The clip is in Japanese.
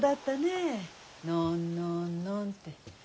「のんのんのん」って。